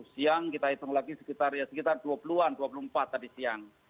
siang kita hitung lagi sekitar dua puluh an dua puluh empat tadi siang